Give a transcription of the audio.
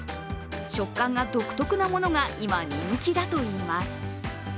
食感が独特なものが今、人気だといいます。